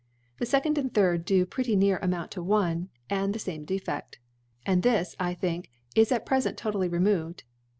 ' The ftcond and third do pretty near a mount to one and the fame Defeft ; And this, I tWnk^ is at prefent totally removed..